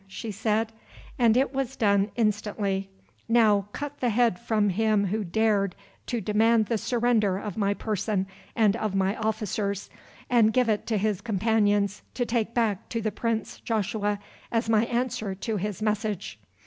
she said, and it was done instantly. "Now, cut the head from him who dared to demand the surrender of my person and of my officers, and give it to his companions to take back to the Prince Joshua as my answer to his message."